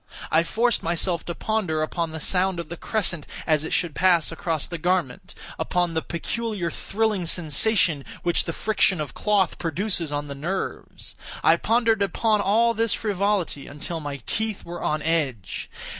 I forced myself to ponder upon the sound of the crescent as it should pass across the garment—upon the peculiar thrilling sensation which the friction of cloth produces on the nerves. I pondered upon all this frivolity until my teeth were on edge.